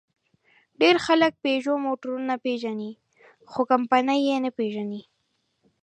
ډېر خلک پيژو موټرونه پېژني؛ خو کمپنۍ یې نه پېژني.